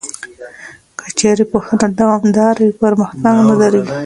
که چېرې پوهنه دوامداره وي، پرمختګ نه درېږي.